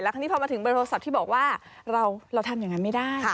แล้วทีนี้พอมาถึงบริโภคที่บอกว่าเราทำอย่างนั้นไม่ได้